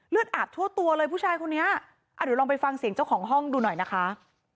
อาบทั่วตัวเลยผู้ชายคนนี้อ่ะเดี๋ยวลองไปฟังเสียงเจ้าของห้องดูหน่อยนะคะ